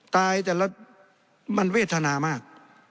แต่ละมันเวทนามาก